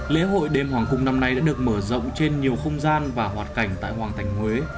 lễ hội đêm hoàng cung năm nay đã được mở rộng trên nhiều không gian và hoạt cảnh tại hoàng thành huế